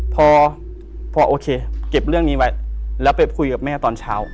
พอพอโอเคเก็บเรื่องนี้ไว้แล้วไปคุยกับแม่ตอนเช้า